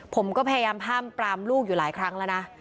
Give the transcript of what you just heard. ผมก็พยายามห้ามปรามลูกอยู่หลายครั้งแล้วนะ